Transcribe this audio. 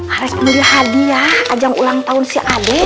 arek beli hadiah ajang ulang tahun si aden